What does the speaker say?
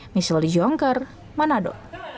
misal di jongkar manado